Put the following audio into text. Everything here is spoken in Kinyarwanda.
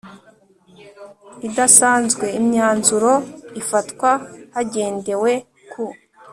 idasanzwe Imyanzuro ifatwa hagendewe ku